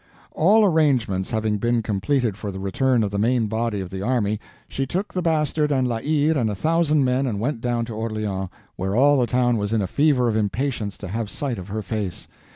All arrangements having been completed for the return of the main body of the army, she took the Bastard and La Hire and a thousand men and went down to Orleans, where all the town was in a fever of impatience to have sight of her face.